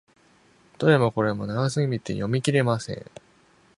どれもこれも長すぎて読み切れません。